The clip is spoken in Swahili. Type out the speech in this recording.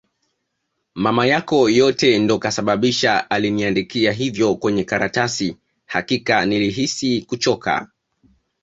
Mama yako yote ndo kasababisha aliniandikia hivo kwenye karatasi hakika nilihisi kuchoka